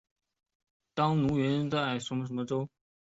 当奴云在加州雷德兰兹。